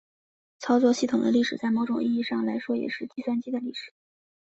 操作系统的历史在某种意义上来说也是计算机的历史。